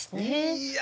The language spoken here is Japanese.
いや。